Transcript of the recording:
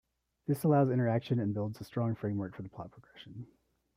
This allows interaction and builds a strong framework for the plot progression.